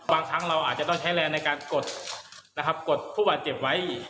บางครั้งเราอาจจะต้องใช้แลร์ในการกดผู้บัติเจ็บไว้